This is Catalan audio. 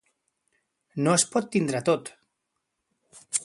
No es pot tindre tot.